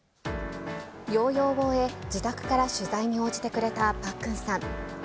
療養を終え、自宅から取材に応じてくれたパックンさん。